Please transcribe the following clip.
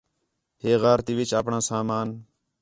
ہے غار تی وِچ آپݨاں سامان